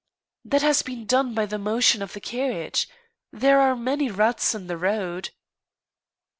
"That has been done by the motion of the carriage. There are many ruts in the road."